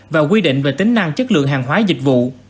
và quy định về tính năng chất lượng hàng hóa dịch vụ